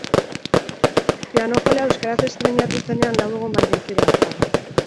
Pianojolea euskaraz estreinatu zenean lau lagun baino ez ziren joan.